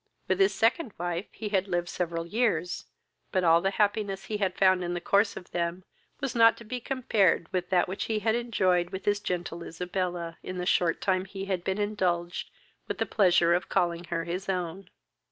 With his second wife he had lived several years; but all the happiness he had found in the course of them was not to be compared with that which he had enjoyed with his gentle Isabella, in the short time he had been indulged with the pleasure of calling her his own.